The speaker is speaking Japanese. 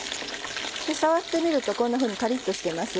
触ってみるとこんなふうにカリっとしてます。